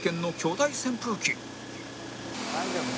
「大丈夫？